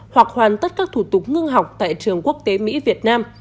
hoặc hoàn tất các thủ tục ngưng học tại trường quốc tế mỹ việt nam